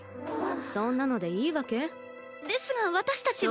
そんなのでいいわけ？ですが私たちは！